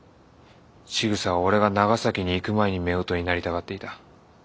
ちぐさは俺が長崎に行く前に夫婦になりたがっていた。